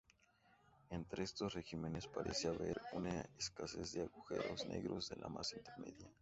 Entre estos regímenes parece haber una escasez de agujeros negros de masa intermedia.